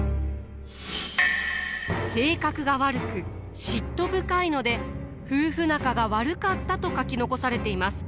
性格が悪く嫉妬深いので夫婦仲が悪かったと書き残されています。